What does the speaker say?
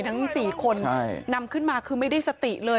ทั้ง๔คนนำขึ้นมาคือไม่ได้สติเลย